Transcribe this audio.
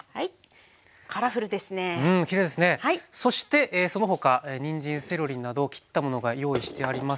そしてその他にんじんセロリなど切ったものが用意してありますね。